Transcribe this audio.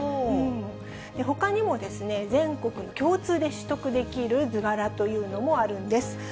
ほかにも全国共通で取得できる図柄というのもあるんです。